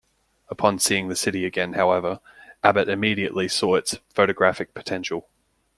Upon seeing the city again, however, Abbott immediately saw its photographic potential.